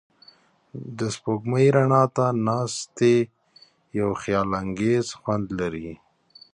د سپوږمۍ رڼا ته ناستې یو خیالانګیز خوند لري.